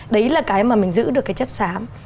đấy là cái mà mình giữ được cái chất xám